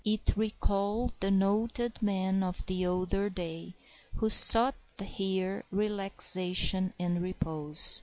It recalled the noted men of that older day who sought here relaxation and repose.